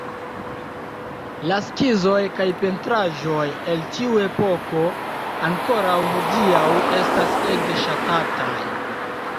La skizoj kaj pentraĵoj el tiu epoko ankoraŭ hodiaŭ estas ege ŝatataj".